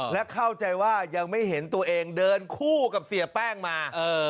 และเข้าใจว่ายังไม่เห็นตัวเองเดินคู่กับเสียแป้งมา